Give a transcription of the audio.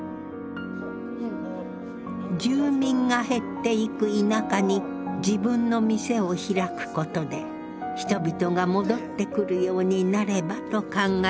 住民が減っていく田舎に自分の店を開くことで人々が戻ってくるようになればと考える銭さん。